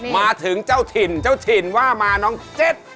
มาถึงเจ้าถิ่นเจ้าถิ่นว่ามาน้องเจ็ด